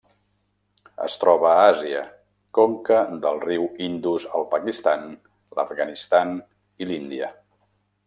Es troba a Àsia: conca del riu Indus al Pakistan, l'Afganistan i l'Índia.